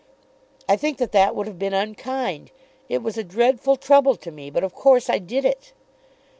I think that that would have been unkind. It was a dreadful trouble to me. But of course I did it.